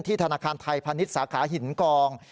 ที่ธนาคารไทยภัณฑ์สาขาหินกอง